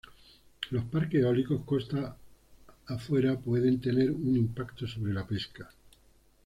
Los parques eólicos costa afuera pueden tener un impacto sobre la pesca.